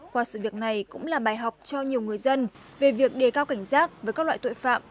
qua sự việc này cũng là bài học cho nhiều người dân về việc đề cao cảnh giác với các loại tội phạm